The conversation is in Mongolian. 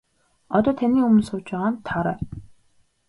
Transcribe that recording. Одоо таны өмнө сууж байгаа нь Тоорой.